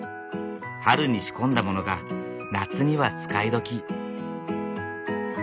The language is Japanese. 春に仕込んだものが夏には使い時。